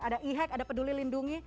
ada e hack ada peduli lindungi